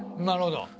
なるほど。